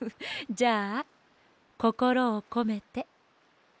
じゃあこころをこめて。